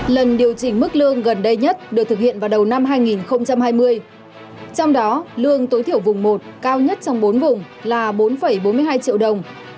lần điều chỉnh mức lương gần đây nhất được thực hiện vào đầu năm hai nghìn hai mươi trong đó lương tối thiểu vùng một cao nhất trong bốn vùng là bốn bốn mươi hai triệu đồng